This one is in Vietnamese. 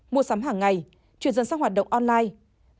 mua sắm hàng ngày chuyển dần sang hoạt động online